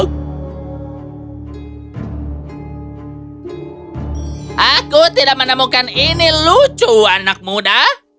aku tidak menemukan ini lucu anak muda